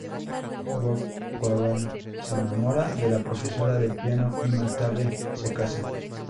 Wook Kwan se enamora de la profesora de piano y más tarde se casan.